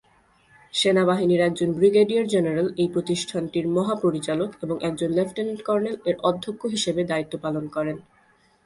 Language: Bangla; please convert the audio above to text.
সেনাবাহিনীর একজন ব্রিগেডিয়ার জেনারেল এই প্রতিষ্ঠানটির মহাপরিচালক এবং একজন লেফটেন্যান্ট কর্নেল এর অধ্যক্ষ হিসেবে দায়িত্ব পালন করেন।